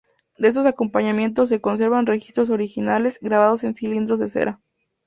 De estos acompañamientos se conservan registros originales grabados en cilindros de cera.